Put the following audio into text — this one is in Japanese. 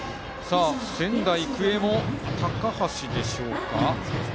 仙台育英も高橋でしょうか。